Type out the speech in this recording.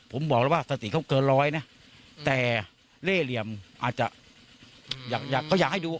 ผมบอกแล้วว่าสติเขาเกินร้อยนะแต่เล่เหลี่ยมอาจจะอยากเขาอยากให้ดู